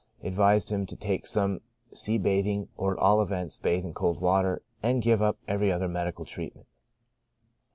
Advised him to take some sea bathing, or at all events bathe in cold water, and give up every other medical treatment.